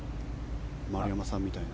丸山さんみたいな？